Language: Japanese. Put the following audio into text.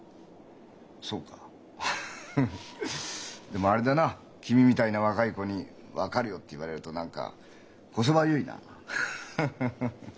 でもあれだな君みたいな若い子に「分かるよ」って言われると何かこそばゆいな。ハハハ。